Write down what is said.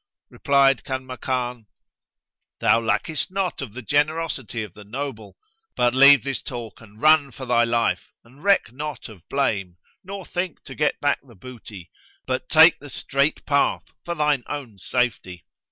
Replied Kanmakan, "Thou lackest not of the generosity of the noble! but leave this talk and run for thy life and reck not of blame nor think to get back the booty; but take the straight path for thine own safety."